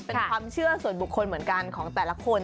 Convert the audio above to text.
เป็นความเชื่อส่วนบุคคลเหมือนกันของแต่ละคน